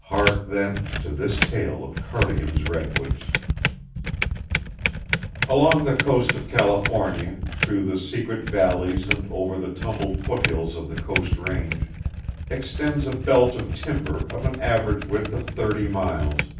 Hark, then, to this tale of Cardigan's redwoods: Along the coast of California, through the secret valleys and over the tumbled foothills of the Coast Range, extends a belt of timber of an average width of thirty miles.